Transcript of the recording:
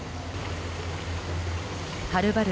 はるばる